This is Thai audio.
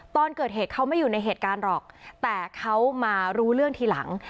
ตอนเกิดเหตุเขาไม่อยู่ในเหตุการณ์หรอกแต่เขามารู้เรื่องทีหลัง